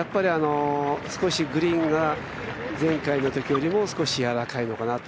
少しグリーンが前回のときよりもやわらかいのかなと。